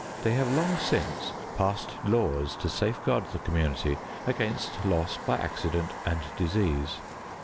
They have long since passed laws to safeguard the community against loss by accident and disease.